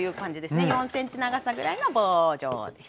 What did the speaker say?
４ｃｍ長さぐらいの棒状です。